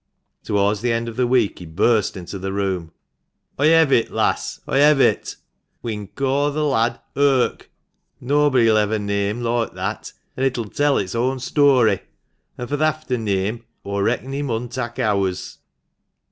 Towards the end of the week he burst into the room ;" Oi hev it, lass, oi hev it ! We'n co' the lad ' Irk '; nob'dy'll hev a neame loike that, an' it'll tell its own story ; an' fur th' afterneame, aw reckon he mun tak' ours."